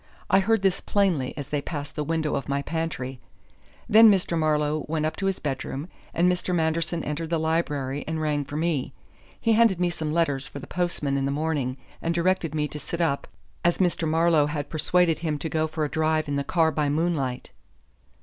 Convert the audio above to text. I heard this plainly as they passed the window of my pantry. Then Mr. Marlowe went up to his bedroom and Mr. Manderson entered the library and rang for me. He handed me some letters for the postman in the morning and directed me to sit up, as Mr. Marlowe had persuaded him to go for a drive in the car by moonlight."